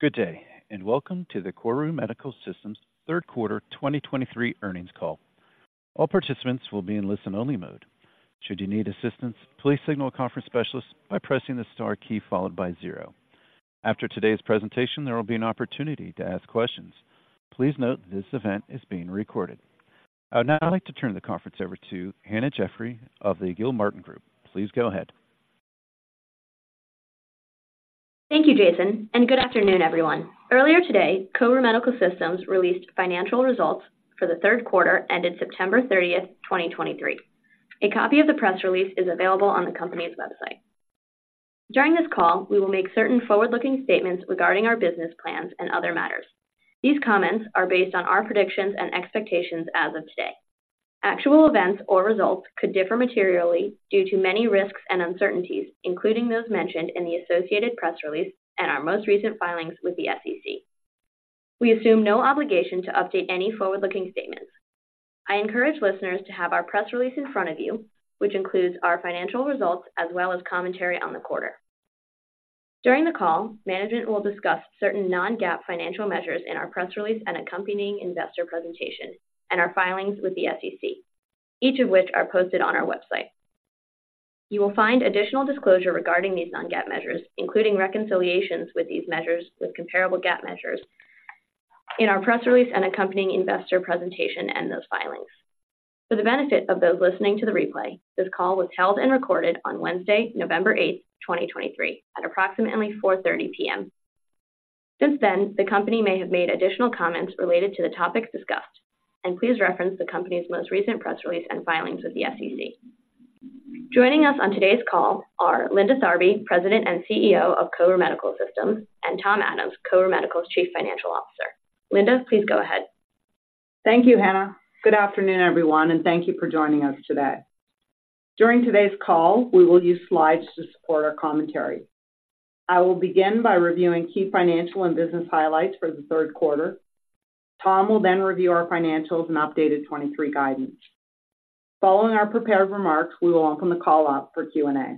Good day, and welcome to the KORU Medical Systems Third Quarter 2023 Earnings Call. All participants will be in listen-only mode. Should you need assistance, please signal a conference specialist by pressing the star key followed by zero. After today's presentation, there will be an opportunity to ask questions. Please note this event is being recorded. I would now like to turn the conference over to Hannah Jeffrey of the Gilmartin Group. Please go ahead. Thank you, Jason, and good afternoon, everyone. Earlier today, KORU Medical Systems released financial results for the third quarter ended September 30th, 2023. A copy of the press release is available on the company's website. During this call, we will make certain forward-looking statements regarding our business plans and other matters. These comments are based on our predictions and expectations as of today. Actual events or results could differ materially due to many risks and uncertainties, including those mentioned in the associated press release and our most recent filings with the SEC. We assume no obligation to update any forward-looking statements. I encourage listeners to have our press release in front of you, which includes our financial results as well as commentary on the quarter. During the call, management will discuss certain non-GAAP financial measures in our press release and accompanying investor presentation and our filings with the SEC, each of which are posted on our website. You will find additional disclosure regarding these non-GAAP measures, including reconciliations with these measures with comparable GAAP measures in our press release and accompanying investor presentation and those filings. For the benefit of those listening to the replay, this call was held and recorded on Wednesday, November 8th, 2023, at approximately 4:30 P.M. Since then, the company may have made additional comments related to the topics discussed, and please reference the company's most recent press release and filings with the SEC. Joining us on today's call are Linda Tharby, President and CEO of KORU Medical Systems, and Tom Adams, KORU Medical's Chief Financial Officer. Linda, please go ahead. Thank you, Hannah. Good afternoon, everyone, and thank you for joining us today. During today's call, we will use slides to support our commentary. I will begin by reviewing key financial and business highlights for the third quarter. Tom will then review our financials and updated 2023 guidance. Following our prepared remarks, we will open the call up for Q&A.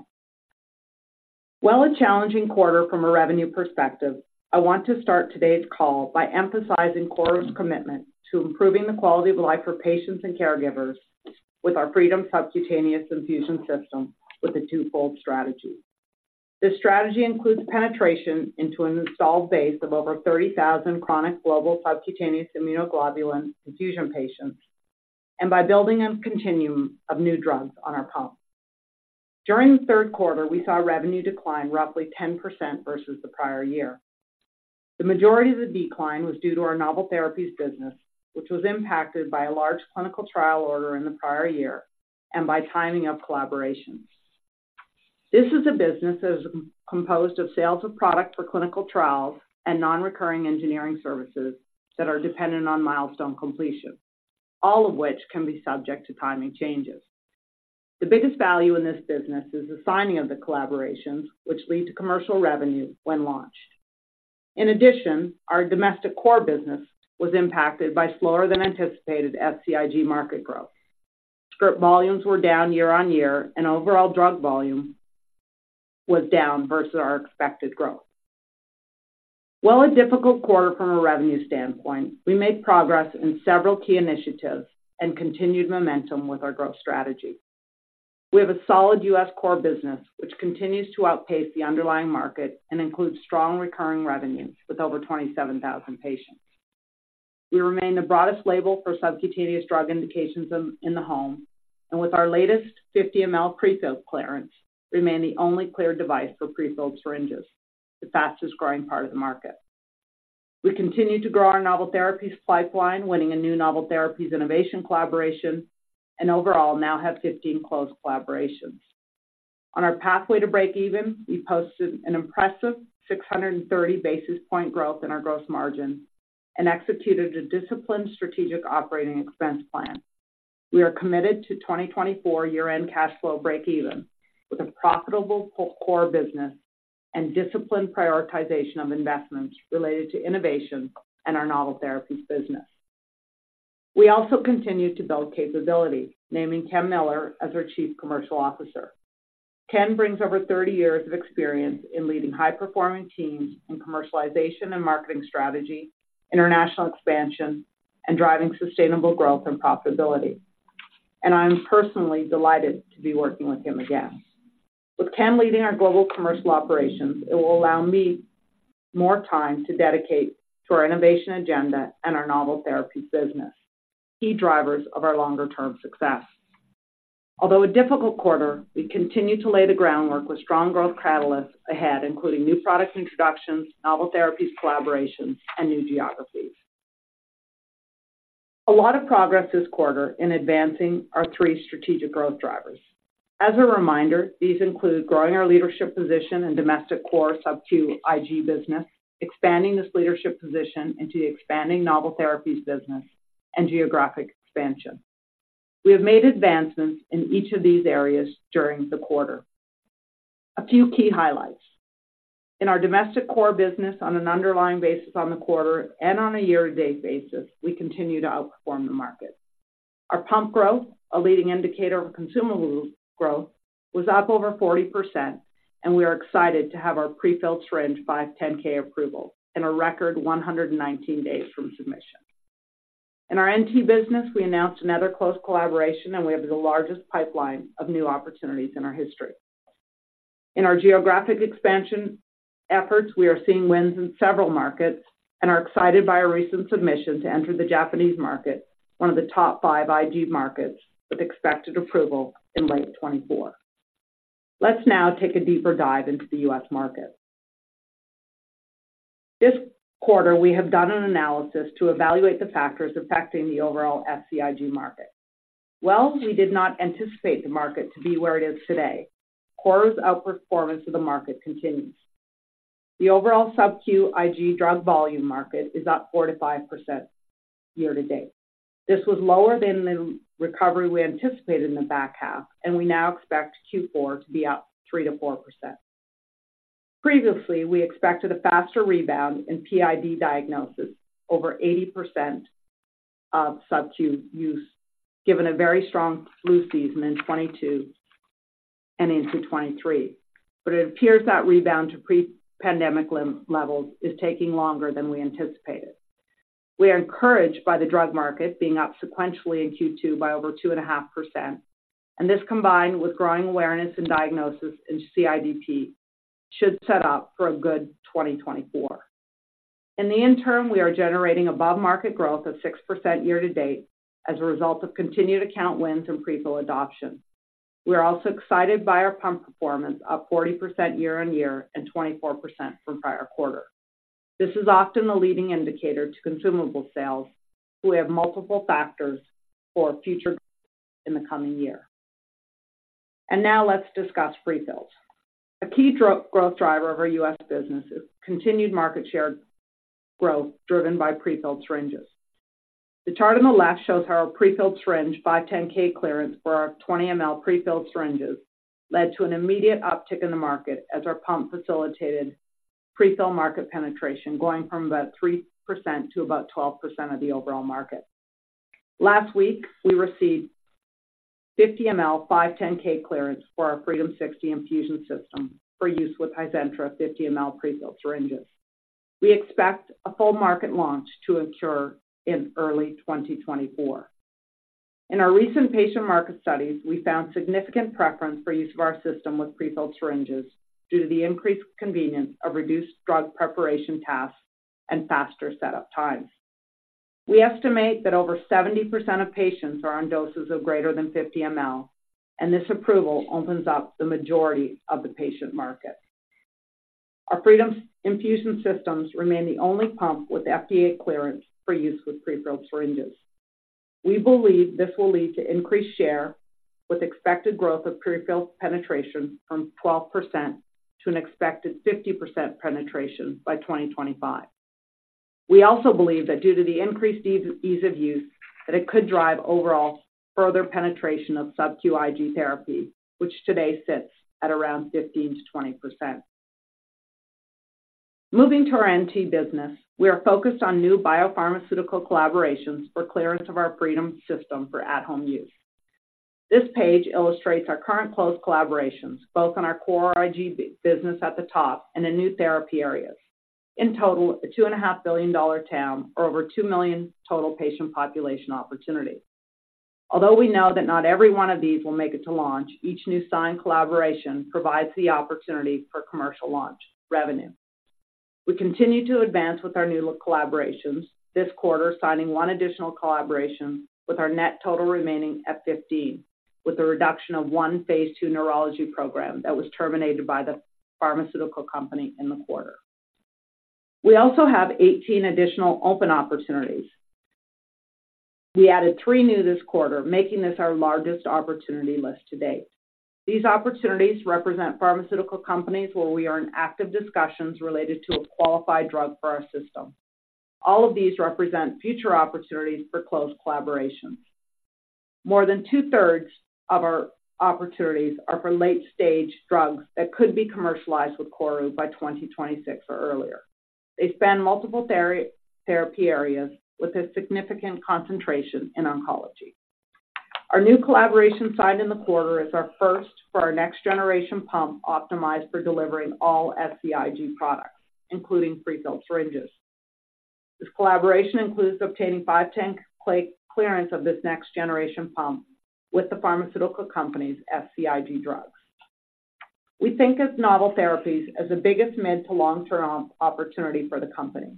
While a challenging quarter from a revenue perspective, I want to start today's call by emphasizing KORU's commitment to improving the quality of life for patients and caregivers with our Freedom Subcutaneous Infusion System with a twofold strategy. This strategy includes penetration into an installed base of over 30,000 chronic global subcutaneous immunoglobulin infusion patients and by building a continuum of new drugs on our pump. During the third quarter, we saw revenue decline roughly 10% versus the prior year. The majority of the decline was due to our novel therapies business, which was impacted by a large clinical trial order in the prior year and by timing of collaborations. This is a business that is composed of sales of product for clinical trials and non-recurring engineering services that are dependent on milestone completion, all of which can be subject to timing changes. The biggest value in this business is the signing of the collaborations, which lead to commercial revenue when launched. In addition, our domestic core business was impacted by slower than anticipated SCIg market growth. Script volumes were down year on year and overall drug volume was down versus our expected growth. While a difficult quarter from a revenue standpoint, we made progress in several key initiatives and continued momentum with our growth strategy. We have a solid U.S. core business, which continues to outpace the underlying market and includes strong recurring revenues with over 27,000 patients. We remain the broadest label for subcutaneous drug indications in the home, and with our latest 50 mL prefilled clearance, remain the only cleared device for prefilled syringes, the fastest growing part of the market. We continue to grow our novel therapies pipeline, winning a new novel therapies innovation collaboration and overall now have 15 closed collaborations. On our pathway to breakeven, we posted an impressive 630 basis point growth in our gross margin and executed a disciplined strategic operating expense plan. We are committed to 2024 year-end cash flow breakeven with a profitable core business and disciplined prioritization of investments related to innovation and our novel therapies business. We also continued to build capability, naming Ken Miller as our Chief Commercial Officer. Ken brings over 30 years of experience in leading high-performing teams in commercialization and marketing strategy, international expansion, and driving sustainable growth and profitability. I'm personally delighted to be working with him again. With Ken leading our global commercial operations, it will allow me more time to dedicate to our innovation agenda and our novel therapy business, key drivers of our longer-term success. Although a difficult quarter, we continue to lay the groundwork with strong growth catalysts ahead, including new product introductions, novel therapies, collaborations, and new geographies. A lot of progress this quarter in advancing our three strategic growth drivers. As a reminder, these include growing our leadership position and domestic core subQ IG business, expanding this leadership position into the expanding novel therapies business, and geographic expansion. We have made advancements in each of these areas during the quarter. A few key highlights: In our domestic core business, on an underlying basis on the quarter and on a year-to-date basis, we continue to outperform the market. Our pump growth, a leading indicator of consumable growth, was up over 40%, and we are excited to have our prefilled syringe 510(k) approval in a record 119 days from submission. In our NT business, we announced another close collaboration, and we have the largest pipeline of new opportunities in our history. In our geographic expansion efforts, we are seeing wins in several markets and are excited by our recent submission to enter the Japanese market, one of the top five IG markets, with expected approval in late 2024. Let's now take a deeper dive into the U.S. market. This quarter, we have done an analysis to evaluate the factors affecting the overall SCIg market. While we did not anticipate the market to be where it is today, KORU's outperformance of the market continues. The overall subQ IG drug volume market is up 4%-5% year to date. This was lower than the recovery we anticipated in the back half, and we now expect Q4 to be up 3%-4%. Previously, we expected a faster rebound in PID diagnosis, over 80% of subQ use, given a very strong flu season in 2022 and into 2023. But it appears that rebound to pre-pandemic levels is taking longer than we anticipated. We are encouraged by the drug market being up sequentially in Q2 by over 2.5%, and this, combined with growing awareness and diagnosis in CIDP, should set up for a good 2024. In the interim, we are generating above-market growth of 6% year to date as a result of continued account wins and prefill adoption. We are also excited by our pump performance, up 40% year-on-year and 24% from prior quarter. This is often a leading indicator to consumable sales, who we have multiple factors for future in the coming year. Now let's discuss prefills. A key drug growth driver of our U.S. business is continued market share growth, driven by prefilled syringes. The chart on the left shows how our prefilled syringe 510(k) clearance for our 20 mL prefilled syringes led to an immediate uptick in the market as our pump facilitated prefill market penetration, going from about 3% to about 12% of the overall market. Last week, we received 50 mL 510(k) clearance for our FREEDOM60 infusion system for use with Hizentra 50 mL prefilled syringes. We expect a full market launch to occur in early 2024. In our recent patient market studies, we found significant preference for use of our system with prefilled syringes due to the increased convenience of reduced drug preparation tasks and faster setup times. We estimate that over 70% of patients are on doses of greater than 50 mL, and this approval opens up the majority of the patient market. Our Freedom infusion systems remain the only pump with FDA clearance for use with prefilled syringes. We believe this will lead to increased share, with expected growth of prefilled penetration from 12% to an expected 50% penetration by 2025. We also believe that due to the increased ease of use, that it could drive overall further penetration of subQ IG therapy, which today sits at around 15%-20%. Moving to our NT business, we are focused on new biopharmaceutical collaborations for clearance of our Freedom system for at-home use. This page illustrates our current close collaborations, both on our core IG business at the top and in new therapy areas. In total, a $2.5 billion TAM or over 2 million total patient population opportunity. Although we know that not every one of these will make it to launch, each new signed collaboration provides the opportunity for commercial launch revenue. We continue to advance with our new collaborations this quarter, signing one additional collaboration, with our net total remaining at 15, with a reduction of one phase II neurology program that was terminated by the pharmaceutical company in the quarter. We also have 18 additional open opportunities. We added three new this quarter, making this our largest opportunity list to date. These opportunities represent pharmaceutical companies where we are in active discussions related to a qualified drug for our system. All of these represent future opportunities for close collaborations. More than two-thirds of our opportunities are for late-stage drugs that could be commercialized with KORU by 2026 or earlier. They span multiple therapy areas with a significant concentration in oncology. Our new collaboration signed in the quarter is our first for our next-generation pump, optimized for delivering all SCIg products, including prefilled syringes. This collaboration includes obtaining 510(k) clearance of this next-generation pump with the pharmaceutical company's SCIg drugs. We think of novel therapies as the biggest mid- to long-term opportunity for the company.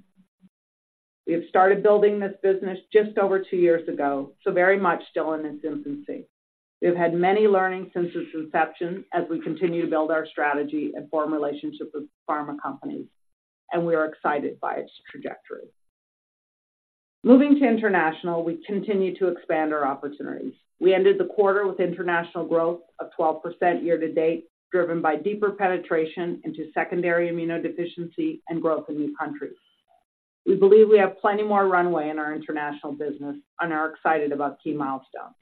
We have started building this business just over two years ago, so very much still in its infancy. We've had many learnings since its inception as we continue to build our strategy and form relationships with pharma companies, and we are excited by its trajectory. Moving to international, we continue to expand our opportunities. We ended the quarter with international growth of 12% year to date, driven by deeper penetration into secondary immunodeficiency and growth in new countries. We believe we have plenty more runway in our international business and are excited about key milestones.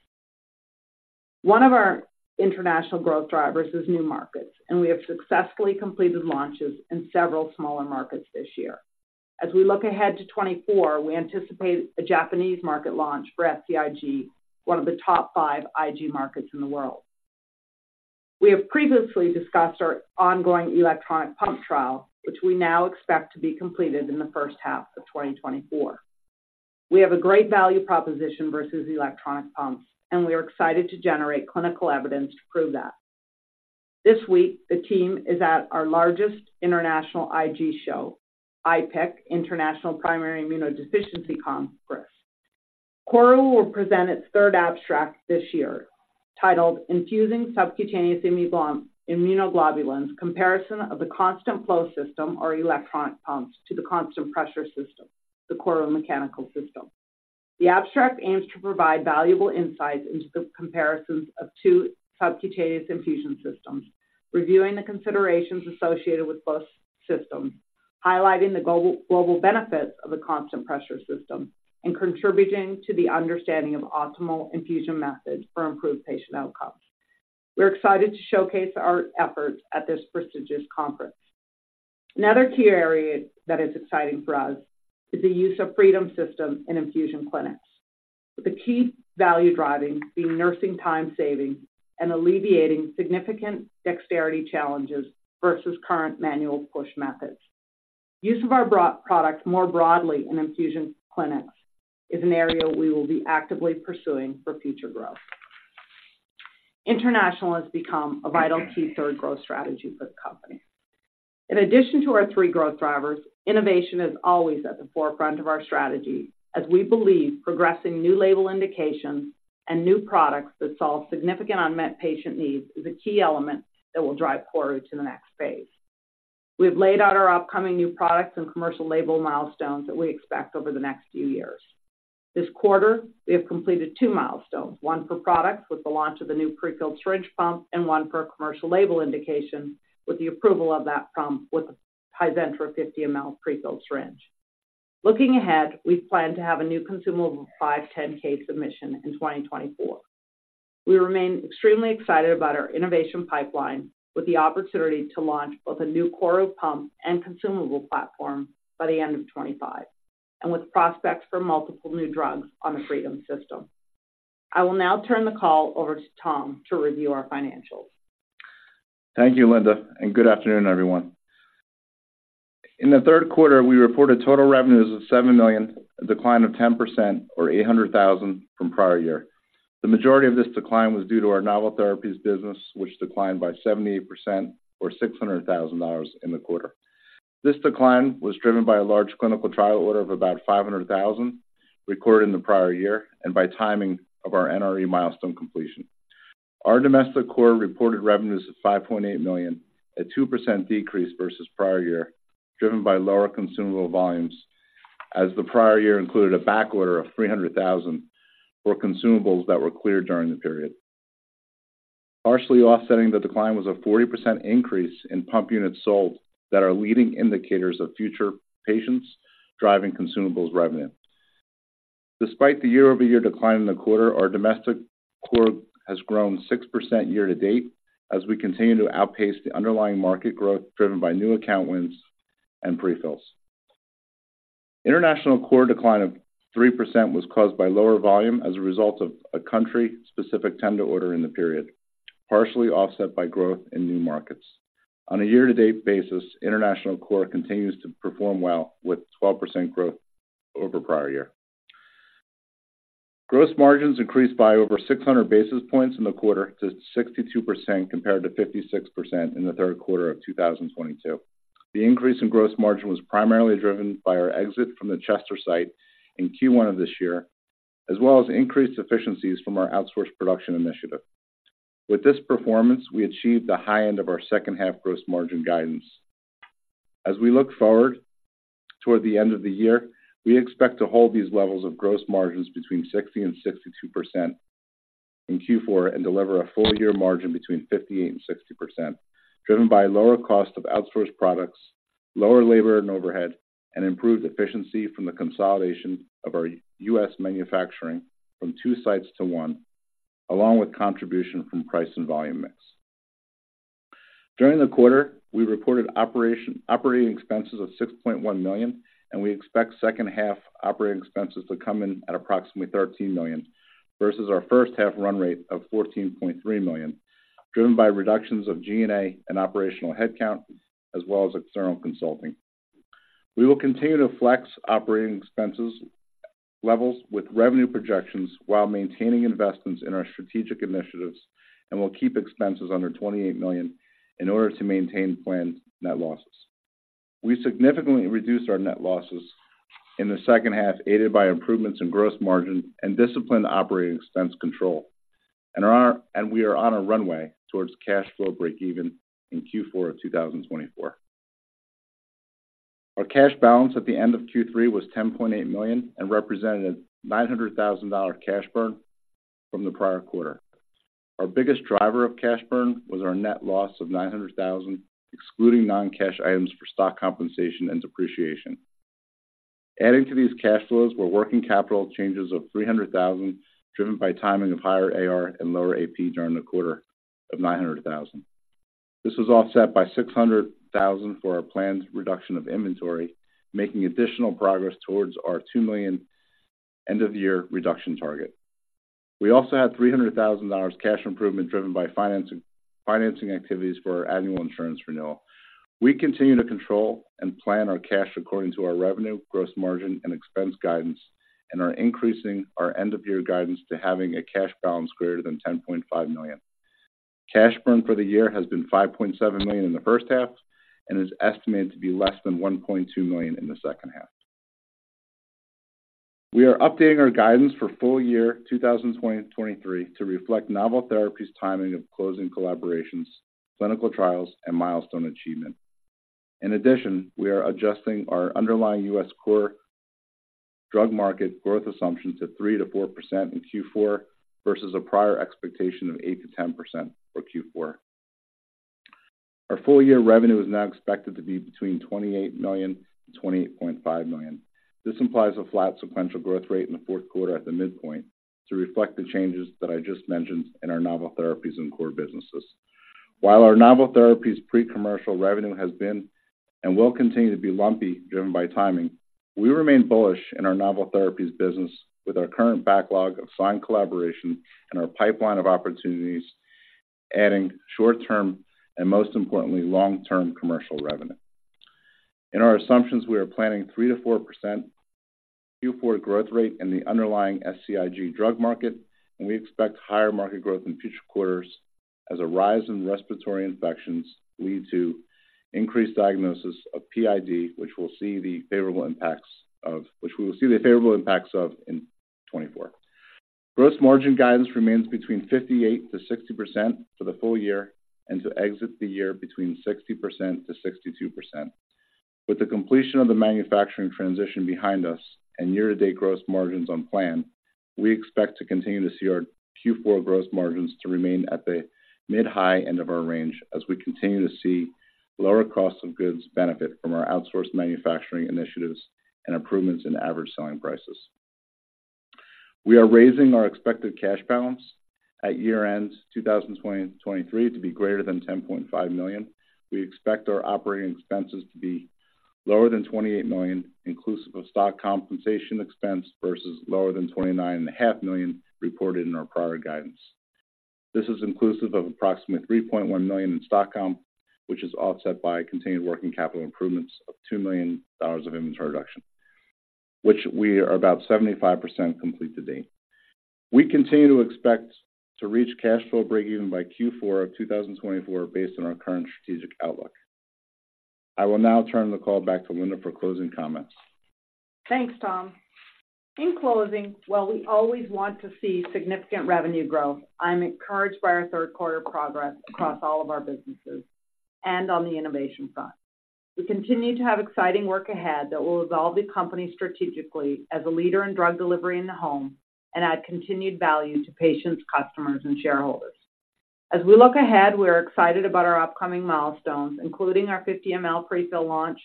One of our international growth drivers is new markets, and we have successfully completed launches in several smaller markets this year. As we look ahead to 2024, we anticipate a Japanese market launch for SCIg, one of the top five IG markets in the world. We have previously discussed our ongoing electronic pump trial, which we now expect to be completed in the first half of 2024. We have a great value proposition versus electronic pumps, and we are excited to generate clinical evidence to prove that. This week, the team is at our largest international IG show, IPIC, International Primary Immunodeficiency Congress. KORU will present its third abstract this year, titled Infusing Subcutaneous Immunoglobulins: Comparison of the Constant Flow System or Electronic Pumps to the Constant Pressure System, the KORU Mechanical System. The abstract aims to provide valuable insights into the comparisons of two subcutaneous infusion systems, reviewing the considerations associated with both systems, highlighting the global, global benefits of the constant pressure system, and contributing to the understanding of optimal infusion methods for improved patient outcomes. We're excited to showcase our efforts at this prestigious conference. Another key area that is exciting for us is the use of Freedom systems in infusion clinics, with the key value driving being nursing time saving and alleviating significant dexterity challenges versus current manual push methods. Use of our branded product more broadly in infusion clinics is an area we will be actively pursuing for future growth. International has become a vital key third growth strategy for the company. In addition to our three growth drivers, innovation is always at the forefront of our strategy, as we believe progressing new label indications and new products that solve significant unmet patient needs is a key element that will drive KORU to the next phase. We've laid out our upcoming new products and commercial label milestones that we expect over the next few years. This quarter, we have completed two milestones, one for products with the launch of the new prefilled syringe pump, and one for a commercial label indication with the approval of that pump with the Hizentra 50 mL prefilled syringe. Looking ahead, we plan to have a new consumable 510(k) submission in 2024. We remain extremely excited about our innovation pipeline, with the opportunity to launch both a new KORU pump and consumable platform by the end of 2025, and with prospects for multiple new drugs on the Freedom system. I will now turn the call over to Tom to review our financials. Thank you, Linda, and good afternoon, everyone. In the third quarter, we reported total revenues of $7 million, a decline of 10% or $800,000 from prior year. The majority of this decline was due to our novel therapies business, which declined by 78% or $600,000 in the quarter. This decline was driven by a large clinical trial order of about $500,000 recorded in the prior year, and by timing of our NRE milestone completion. Our domestic core reported revenues of $5.8 million, a 2% decrease versus prior year, driven by lower consumable volumes, as the prior year included a backorder of $300,000 for consumables that were cleared during the period. Partially offsetting the decline was a 40% increase in pump units sold that are leading indicators of future patients driving consumables revenue. Despite the year-over-year decline in the quarter, our domestic core has grown 6% year to date as we continue to outpace the underlying market growth, driven by new account wins and prefills. International core decline of 3% was caused by lower volume as a result of a country-specific tender order in the period, partially offset by growth in new markets. On a year-to-date basis, international core continues to perform well, with 12% growth over prior year. Gross margins increased by over 600 basis points in the quarter to 62%, compared to 56% in the third quarter of 2022. The increase in gross margin was primarily driven by our exit from the Chester site in Q1 of this year, as well as increased efficiencies from our outsourced production initiative. With this performance, we achieved the high end of our second half gross margin guidance. As we look forward toward the end of the year, we expect to hold these levels of gross margins between 60%-62% in Q4 and deliver a full-year margin between 58%-60%, driven by lower cost of outsourced products, lower labor and overhead, and improved efficiency from the consolidation of our U.S. manufacturing from two sites to one, along with contribution from price and volume mix. During the quarter, we reported operating expenses of $6.1 million, and we expect second half operating expenses to come in at approximately $13 million, versus our first half run rate of $14.3 million, driven by reductions of G&A and operational headcount as well as external consulting. We will continue to flex operating expenses levels with revenue projections while maintaining investments in our strategic initiatives, and we'll keep expenses under $28 million in order to maintain planned net losses. We significantly reduced our net losses in the second half, aided by improvements in gross margin and disciplined operating expense control, and we are on a runway towards cash flow breakeven in Q4 of 2024. Our cash balance at the end of Q3 was $10.8 million and represented a $900,000 cash burn from the prior quarter. Our biggest driver of cash burn was our net loss of $900,000, excluding non-cash items for stock compensation and depreciation. Adding to these cash flows were working capital changes of $300,000, driven by timing of higher AR and lower AP during the quarter of $900,000. This was offset by $600,000 for our planned reduction of inventory, making additional progress towards our $2 million end-of-year reduction target. We also had $300,000 cash improvement, driven by financing, financing activities for our annual insurance renewal. We continue to control and plan our cash according to our revenue, gross margin, and expense guidance, and are increasing our end-of-year guidance to having a cash balance greater than $10.5 million. Cash burn for the year has been $5.7 million in the first half and is estimated to be less than $1.2 million in the second half. We are updating our guidance for full-year 2023 to reflect novel therapies, timing of closing collaborations, clinical trials, and milestone achievement. In addition, we are adjusting our underlying U.S. core drug market growth assumptions to 3%-4% in Q4, versus a prior expectation of 8%-10% for Q4. Our full-year revenue is now expected to be between $28 million and $28.5 million. This implies a flat sequential growth rate in the fourth quarter at the midpoint to reflect the changes that I just mentioned in our novel therapies and core businesses. While our novel therapies pre-commercial revenue has been, and will continue to be lumpy, driven by timing, we remain bullish in our novel therapies business with our current backlog of signed collaboration and our pipeline of opportunities, adding short-term and, most importantly, long-term commercial revenue. In our assumptions, we are planning 3%-4% Q4 growth rate in the underlying SCIg drug market, and we expect higher market growth in future quarters as a rise in respiratory infections lead to increased diagnosis of PID, which we will see the favorable impacts of in 2024. Gross margin guidance remains between 58%-60% for the full year and to exit the year between 60%-62%. With the completion of the manufacturing transition behind us and year-to-date gross margins on plan, we expect to continue to see our Q4 gross margins to remain at the mid-high end of our range as we continue to see lower costs of goods benefit from our outsourced manufacturing initiatives and improvements in average selling prices. We are raising our expected cash balance at year-end 2023 to be greater than $10.5 million. We expect our operating expenses to be lower than $28 million, inclusive of stock compensation expense versus lower than $29.5 million reported in our prior guidance. This is inclusive of approximately $3.1 million in stock comp, which is offset by continued working capital improvements of $2 million of inventory reduction, which we are about 75% complete to date. We continue to expect to reach cash flow breakeven by Q4 of 2024, based on our current strategic outlook. I will now turn the call back to Linda for closing comments. Thanks, Tom. In closing, while we always want to see significant revenue growth, I'm encouraged by our third quarter progress across all of our businesses and on the innovation front. We continue to have exciting work ahead that will evolve the company strategically as a leader in drug delivery in the home and add continued value to patients, customers, and shareholders. As we look ahead, we are excited about our upcoming milestones, including our 50 mL pre-fill launch,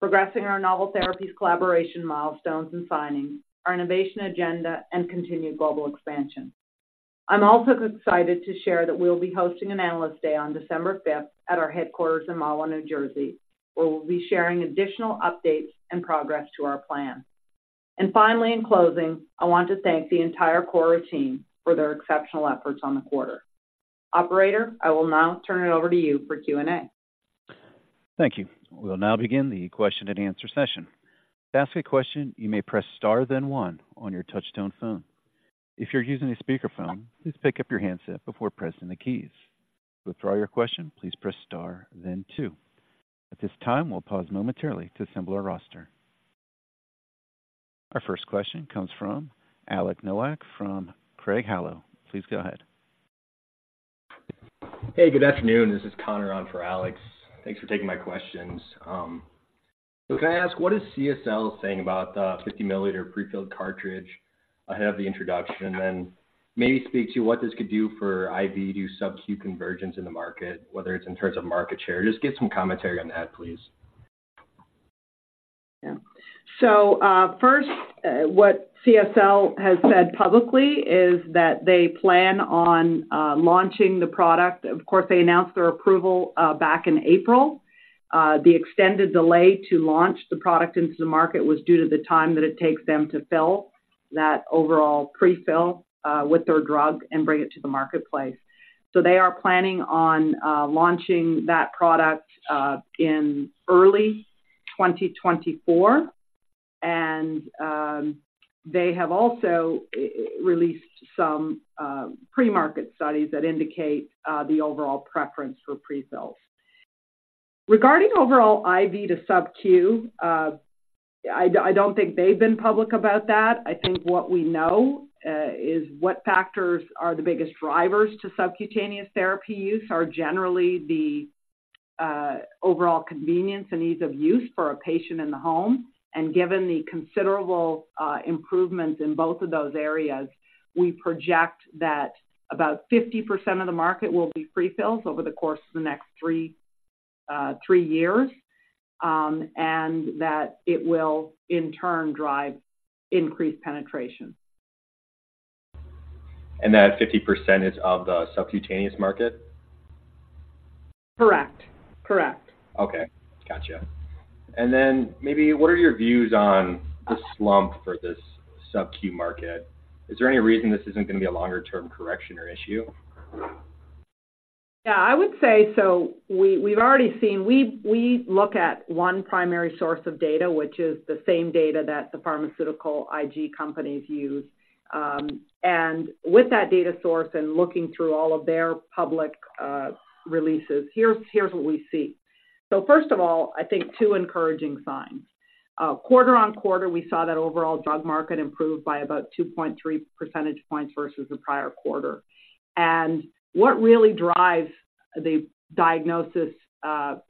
progressing our novel therapies collaboration milestones and signings, our innovation agenda, and continued global expansion. I'm also excited to share that we will be hosting an Analyst Day on December 5th at our headquarters in Mahwah, New Jersey, where we'll be sharing additional updates and progress to our plan. And finally, in closing, I want to thank the entire KORU team for their exceptional efforts on the quarter. Operator, I will now turn it over to you for Q&A. Thank you. We'll now begin the question-and-answer session. To ask a question, you may press star, then one on your touchtone phone. If you're using a speakerphone, please pick up your handset before pressing the keys. To withdraw your question, please press star, then two. At this time, we'll pause momentarily to assemble our roster. Our first question comes from Alex Nowak from Craig-Hallum. Please go ahead. Hey, good afternoon. This is Connor on for Alex. Thanks for taking my questions. So can I ask, what is CSL saying about the 50-milliliter prefilled cartridge ahead of the introduction? And then maybe speak to what this could do for IV to subQ convergence in the market, whether it's in terms of market share. Just give some commentary on that, please. Yeah. So, first, what CSL has said publicly is that they plan on launching the product. Of course, they announced their approval back in April. The extended delay to launch the product into the market was due to the time that it takes them to fill that overall pre-fill with their drug and bring it to the marketplace. So they are planning on launching that product in early 2024. They have also released some pre-market studies that indicate the overall preference for pre-fills. Regarding overall IV to subQ, I don't think they've been public about that. I think what we know is what factors are the biggest drivers to subcutaneous therapy use are generally the overall convenience and ease of use for a patient in the home. And given the considerable improvements in both of those areas, we project that about 50% of the market will be pre-fills over the course of the next three years, and that it will in turn drive increased penetration. That 50% is of the subcutaneous market? Correct. Correct. Okay, gotcha. And then maybe what are your views on the slump for this SubQ market? Is there any reason this isn't going to be a longer term correction or issue? Yeah, I would say, so we've already seen—we look at one primary source of data, which is the same data that the pharmaceutical IG companies use. And with that data source and looking through all of their public releases, here's what we see. So first of all, I think two encouraging signs. Quarter-over-quarter, we saw that overall drug market improve by about 2.3 percentage points versus the prior quarter. And what really drives the diagnosis of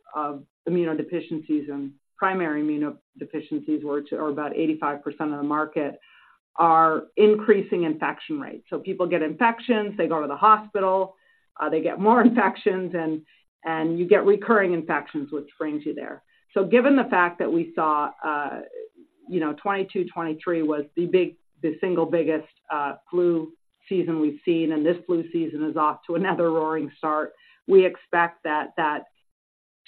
immunodeficiencies and primary immunodeficiencies, which are about 85% of the market, are increasing infection rates. So people get infections, they go to the hospital, they get more infections, and you get recurring infections, which brings you there. So given the fact that we saw, you know, 2022, 2023 was the big, the single biggest flu season we've seen, and this flu season is off to another roaring start, we expect that that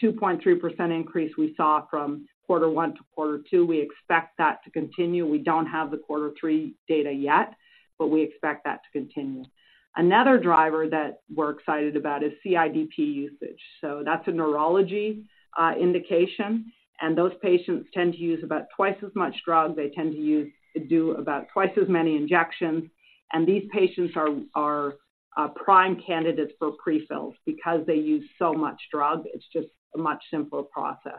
2.3% increase we saw from quarter one to quarter two, we expect that to continue. We don't have the quarter three data yet, but we expect that to continue. Another driver that we're excited about is CIDP usage. So that's a neurology indication, and those patients tend to use about twice as much drug. They tend to use, to do about twice as many injections, and these patients are prime candidates for pre-fills. Because they use so much drug, it's just a much simpler process.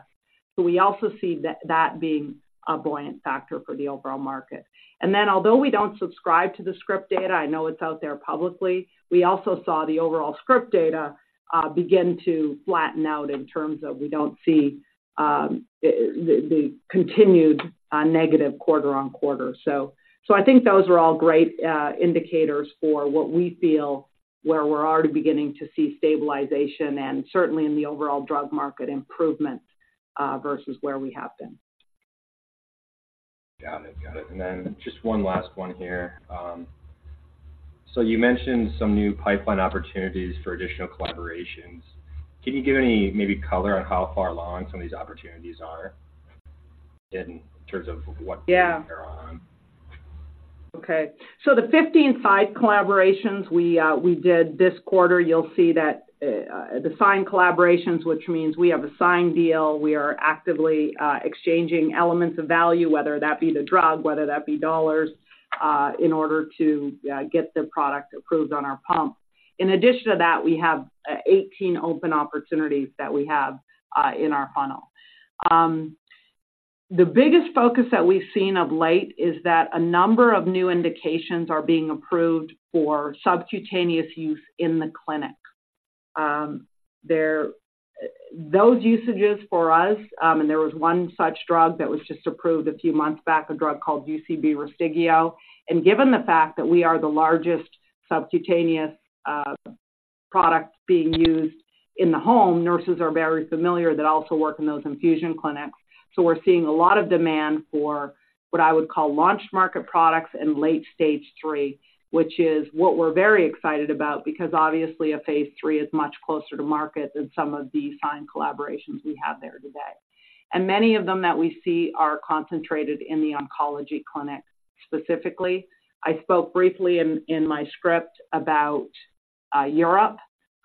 So we also see that, that being a buoyant factor for the overall market. And then, although we don't subscribe to the script data, I know it's out there publicly, we also saw the overall script data begin to flatten out in terms of we don't see the continued negative quarter on quarter. So, so I think those are all great indicators for what we feel, where we're already beginning to see stabilization and certainly in the overall drug market improvement versus where we have been. Got it. Got it. And then just one last one here. So you mentioned some new pipeline opportunities for additional collaborations. Can you give any maybe color on how far along some of these opportunities are in terms of what they're on? Yeah. Okay. So the 15 signed collaborations we, we did this quarter, you'll see that, the signed collaborations, which means we have a signed deal, we are actively, exchanging elements of value, whether that be the drug, whether that be dollars, in order to, get the product approved on our pump. In addition to that, we have, 18 open opportunities that we have, in our funnel. The biggest focus that we've seen of late is that a number of new indications are being approved for subcutaneous use in the clinic. There, those usages for us, and there was one such drug that was just approved a few months back, a drug called UCB RYSTIGGO. Given the fact that we are the largest subcutaneous product being used in the home, nurses are very familiar that also work in those infusion clinics. So we're seeing a lot of demand for what I would call launch market products in late stage three, which is what we're very excited about because obviously a phase III is much closer to market than some of the signed collaborations we have there today. Many of them that we see are concentrated in the oncology clinic. Specifically, I spoke briefly in my script about Europe,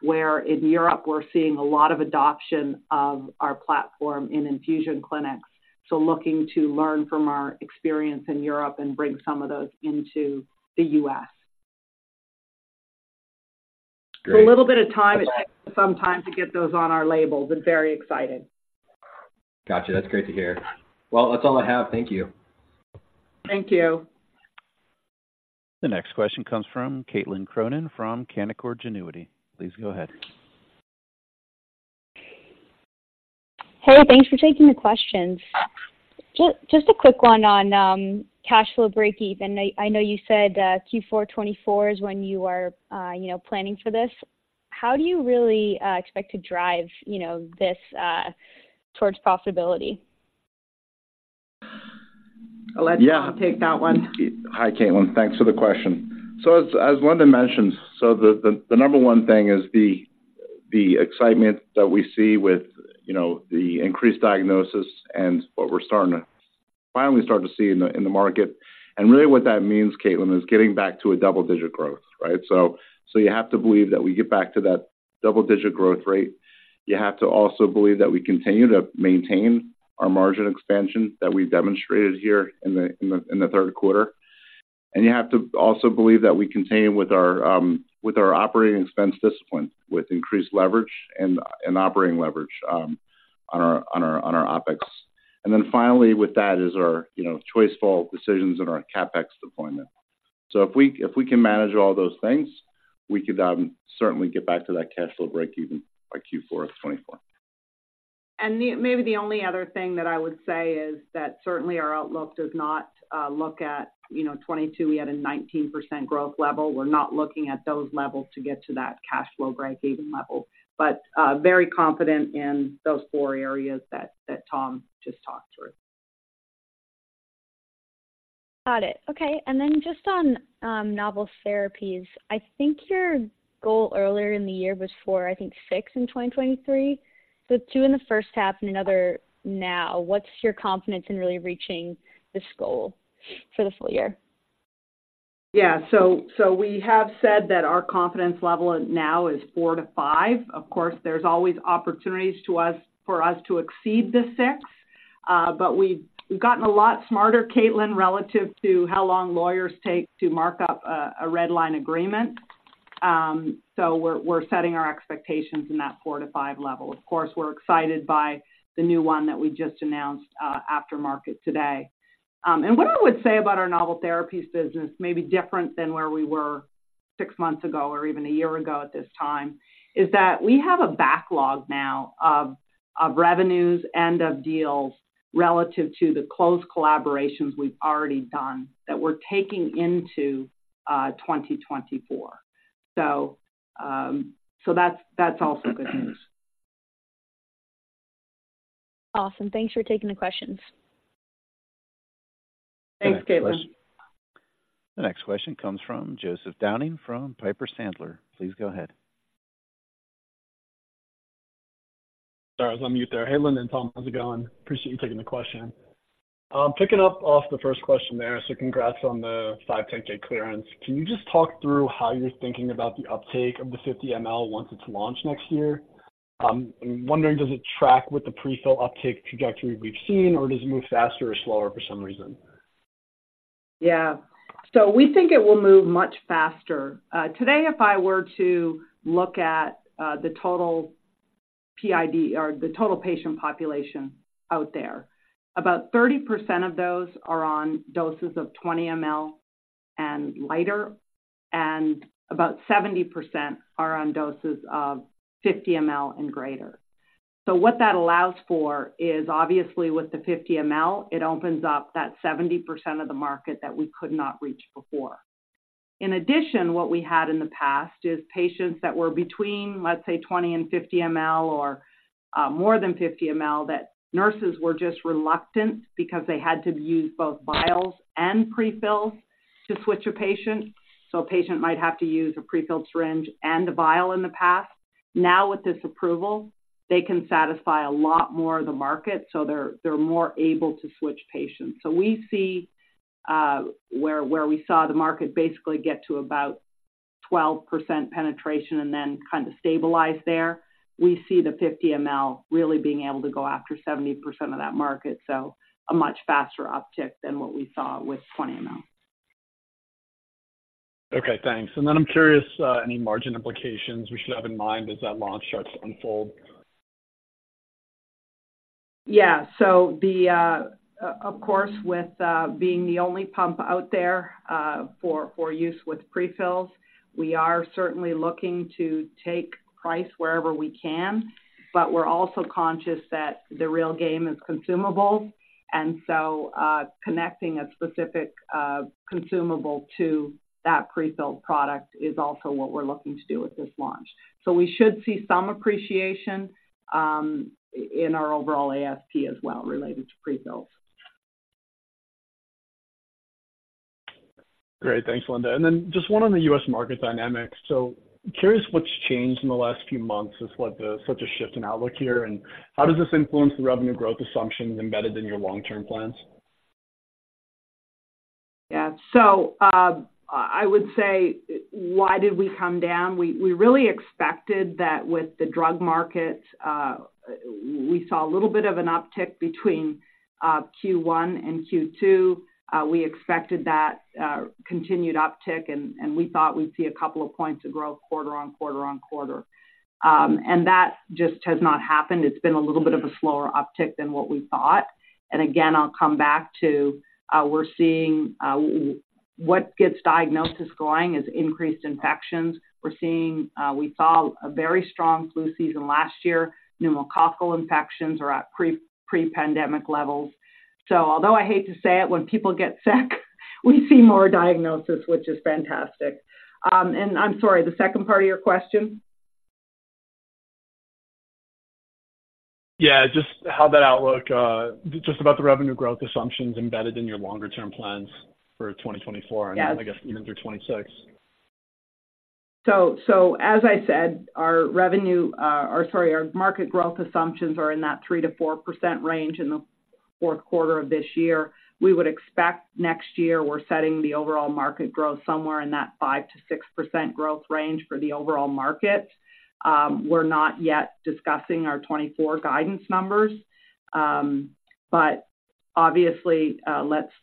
where in Europe we're seeing a lot of adoption of our platform in infusion clinics. So looking to learn from our experience in Europe and bring some of those into the U.S. Great. A little bit of time. It takes some time to get those on our labels, but very exciting. Gotcha. That's great to hear. Well, that's all I have. Thank you. Thank you. The next question comes from Caitlin Cronin from Canaccord Genuity. Please go ahead. Hey, thanks for taking the questions. Just a quick one on cash flow break even. I know you said Q4 2024 is when you are, you know, planning for this. How do you really expect to drive, you know, this towards possibility? I'll let Tom to take that one. Yeah. Hi, Caitlin. Thanks for the question. So as Linda mentioned, so the number one thing is the excitement that we see with, you know, the increased diagnosis and what we're finally starting to see in the market. And really what that means, Caitlin, is getting back to a double-digit growth, right? So you have to believe that we get back to that double-digit growth rate. You have to also believe that we continue to maintain our margin expansion that we've demonstrated here in the third quarter. And you have to also believe that we continue with our operating expense discipline, with increased leverage and operating leverage on our OpEx. And then finally, with that is our, you know, cash flow decisions and our CapEx deployment. So if we, if we can manage all those things, we could certainly get back to that cash flow break even by Q4 of 2024. Maybe the only other thing that I would say is that certainly our outlook does not look at, you know, 2022. We had a 19% growth level. We're not looking at those levels to get to that cash flow breakeven level, but very confident in those four areas that Tom just talked through. Got it. Okay. And then just on novel therapies, I think your goal earlier in the year was for, I think, 6% in 2023. So 2% in the first half and another now, what's your confidence in really reaching this goal for the full year? Yeah. So we have said that our confidence level now is 4%-5%. Of course, there's always opportunities for us to exceed the 6%, but we've gotten a lot smarter, Caitlin, relative to how long lawyers take to mark up a red line agreement. So we're setting our expectations in that 4%-5% level. Of course, we're excited by the new one that we just announced after market today. And what I would say about our novel therapies business may be different than where we were six months ago or even a year ago at this time, is that we have a backlog now of revenues and of deals relative to the close collaborations we've already done, that we're taking into 2024. So that's also good news. Awesome. Thanks for taking the questions. Thanks, Caitlin. The next question comes from Joseph Downing from Piper Sandler. Please go ahead. Sorry, I was on mute there. Hey, Linda and Tom, how's it going? Appreciate you taking the question. Picking up off the first question there, so congrats on the 510(k) clearance. Can you just talk through how you're thinking about the uptake of the 50 mL once it's launched next year? I'm wondering, does it track with the prefill uptake trajectory we've seen, or does it move faster or slower for some reason? Yeah. So we think it will move much faster. Today, if I were to look at the total PID or the total patient population out there, about 30% of those are on doses of 20 mL and lighter, and about 70% are on doses of 50 mL and greater. So what that allows for is, obviously, with the 50 mL, it opens up that 70% of the market that we could not reach before. In addition, what we had in the past is patients that were between, let's say, 20 and 50 mL or more than 50 mL, that nurses were just reluctant because they had to use both vials and prefills to switch a patient. So a patient might have to use a prefilled syringe and a vial in the past. Now, with this approval, they can satisfy a lot more of the market, so they're more able to switch patients. So we see where we saw the market basically get to about 12% penetration and then kind of stabilize there. We see the 50 mL really being able to go after 70% of that market, so a much faster uptick than what we saw with 20 mL. Okay, thanks. And then I'm curious, any margin implications we should have in mind as that launch starts to unfold? Yeah. So, of course, with being the only pump out there for use with prefills, we are certainly looking to take price wherever we can, but we're also conscious that the real game is consumables. And so, connecting a specific consumable to that prefilled product is also what we're looking to do with this launch. So we should see some appreciation in our overall ASP as well, related to prefills. Great. Thanks, Linda. And then just one on the U.S. market dynamics. So curious, what's changed in the last few months as what, such a shift in outlook here, and how does this influence the revenue growth assumptions embedded in your long-term plans? Yeah. So, I would say, why did we come down? We really expected that with the drug market, we saw a little bit of an uptick between Q1 and Q2. We expected that continued uptick, and we thought we'd see a couple of points of growth quarter on quarter on quarter. And that just has not happened. It's been a little bit of a slower uptick than what we thought. And again, I'll come back to, we're seeing what gets diagnosis going is increased infections. We saw a very strong flu season last year. Pneumococcal infections are at pre-pandemic levels. So although I hate to say it, when people get sick, we see more diagnosis, which is fantastic. And I'm sorry, the second part of your question? Yeah, just how that outlook, just about the revenue growth assumptions embedded in your longer-term plans for 2024- Yes. I guess even through 2026. So as I said, our revenue, or sorry, our market growth assumptions are in that 3%-4% range in the fourth quarter of this year. We would expect next year, we're setting the overall market growth somewhere in that 5%-6% growth range for the overall market. We're not yet discussing our 2024 guidance numbers, but obviously,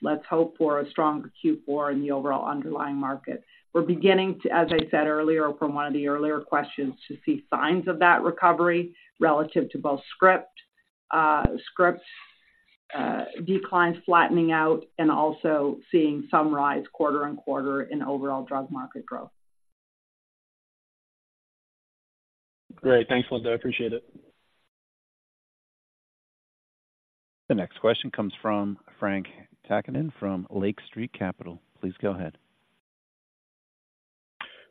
let's hope for a stronger Q4 in the overall underlying market. We're beginning to, as I said earlier, from one of the earlier questions, to see signs of that recovery relative to both script declines flattening out, and also seeing some rise quarter-over-quarter in overall drug market growth. Great. Thanks, Linda. I appreciate it. The next question comes from Frank Takkinen from Lake Street Capital. Please go ahead.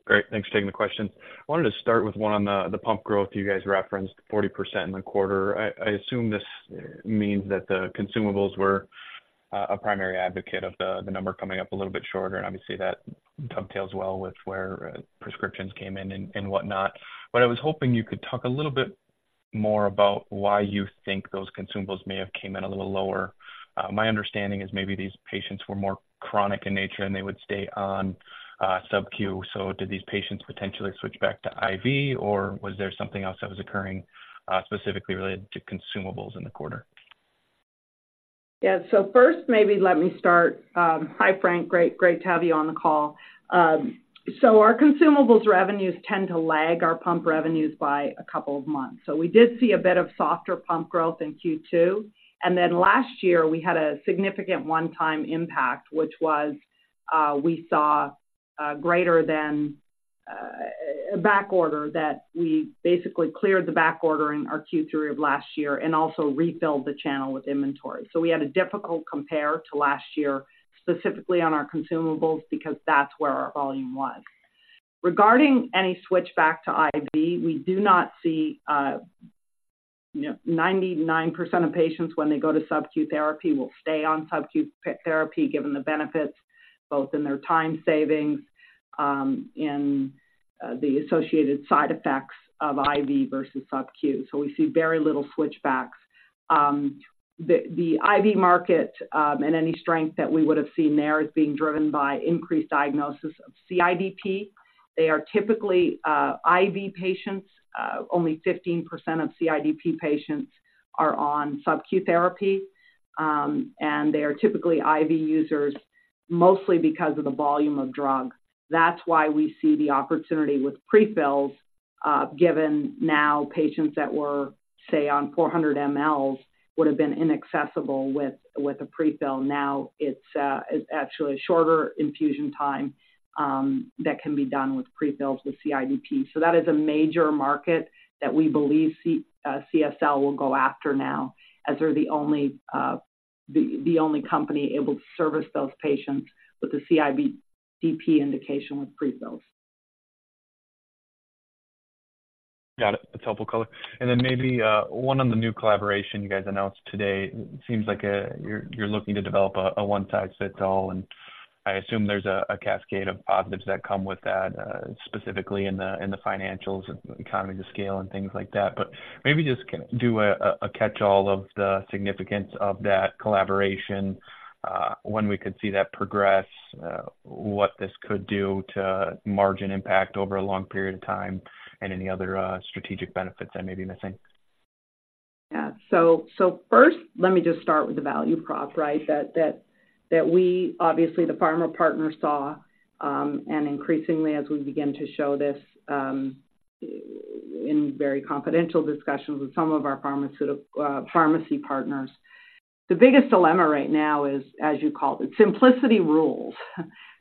Great. Thanks for taking the question. I wanted to start with one on the pump growth. You guys referenced 40% in the quarter. I assume this means that the consumables were a primary advocate of the number coming up a little bit shorter, and obviously, that dovetails well with where prescriptions came in and whatnot. But I was hoping you could talk a little bit more about why you think those consumables may have came in a little lower. My understanding is maybe these patients were more chronic in nature, and they would stay on subQ. So did these patients potentially switch back to IV, or was there something else that was occurring specifically related to consumables in the quarter? Yeah. So first, maybe let me start. Hi, Frank. Great, great to have you on the call. So our consumables revenues tend to lag our pump revenues by a couple of months. So we did see a bit of softer pump growth in Q2, and then last year we had a significant one-time impact, which was, we saw greater than a backorder that we basically cleared the backorder in our Q3 of last year and also refilled the channel with inventory. So we had a difficult compare to last year, specifically on our consumables, because that's where our volume was. Regarding any switch back to IV, we do not see, you know, 99% of patients when they go to subQ therapy, will stay on subQ therapy, given the benefits both in their time savings, and the associated side effects of IV versus subQ. So we see very little switchbacks. The IV market, and any strength that we would have seen there is being driven by increased diagnosis of CIDP. They are typically IV patients. Only 15% of CIDP patients are on subQ therapy, and they are typically IV users, mostly because of the volume of drug. That's why we see the opportunity with pre-fills, given now patients that were, say, on 400 mL, would have been inaccessible with a prefill. Now it's, it's actually a shorter infusion time that can be done with prefills with CIDP. So that is a major market that we believe CSL will go after now, as they're the only, the only company able to service those patients with a CIDP indication with prefills. Got it. That's helpful color. And then maybe one on the new collaboration you guys announced today. It seems like you're looking to develop a one-size-fits-all, and I assume there's a cascade of positives that come with that, specifically in the financials, economies of scale and things like that. But maybe just do a catch-all of the significance of that collaboration, when we could see that progress, what this could do to margin impact over a long period of time, and any other strategic benefits I may be missing. Yeah. So first, let me just start with the value prop, right? That we obviously, the pharma partner saw, and increasingly as we begin to show this, in very confidential discussions with some of our pharmaceutical pharmacy partners. The biggest dilemma right now is, as you call it, simplicity rules.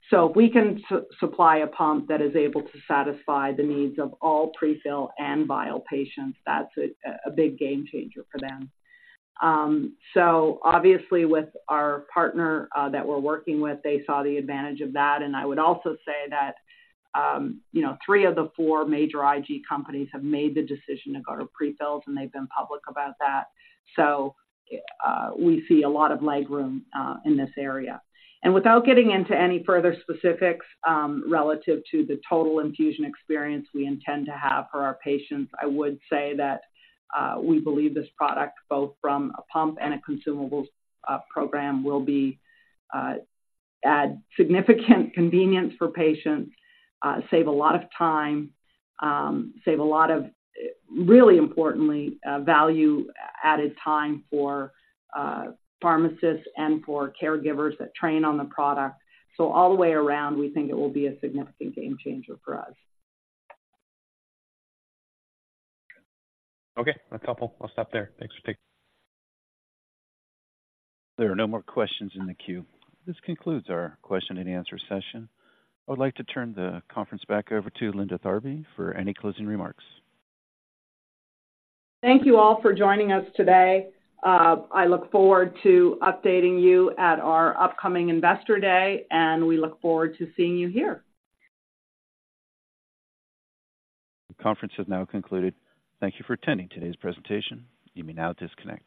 So if we can supply a pump that is able to satisfy the needs of all pre-fill and vial patients, that's a big game changer for them. So obviously with our partner that we're working with, they saw the advantage of that. And I would also say that, you know, three of the four major IG companies have made the decision to go to pre-fills, and they've been public about that. So we see a lot of leg room in this area. Without getting into any further specifics, relative to the total infusion experience we intend to have for our patients, I would say that we believe this product, both from a pump and a consumables program, will add significant convenience for patients, save a lot of time, save a lot of, really importantly, value-added time for pharmacists and for caregivers that train on the product. So all the way around, we think it will be a significant game changer for us. Okay, that's helpful. I'll stop there. Thanks for taking- There are no more questions in the queue. This concludes our question-and-answer session. I would like to turn the conference back over to Linda Tharby for any closing remarks. Thank you all for joining us today. I look forward to updating you at our upcoming Investor Day, and we look forward to seeing you here. The conference has now concluded. Thank you for attending today's presentation. You may now disconnect.